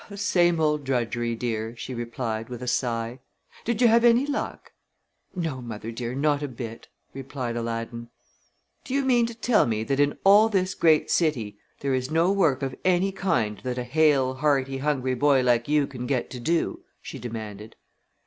"The same old drudgery, dear," she replied, with a sigh. "Did you have any luck?" "No, mother dear, not a bit," replied Aladdin. "Do you mean to tell me that in all this great city there is no work of any kind that a hale, hearty, hungry boy like you can get to do?" she demanded.